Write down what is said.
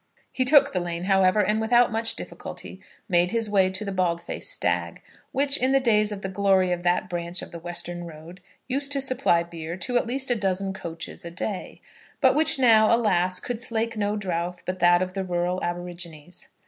He took the lane, however, and without much difficulty made his way to the Bald faced Stag, which, in the days of the glory of that branch of the Western Road, used to supply beer to at least a dozen coaches a day, but which now, alas! could slake no drowth but that of the rural aborigines.